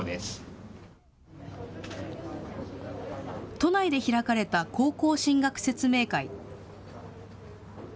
都内で開かれた高校進学説明会。